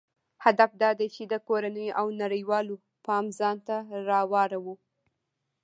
هدف دا دی چې د کورنیو او نړیوالو پام ځانته راواړوي.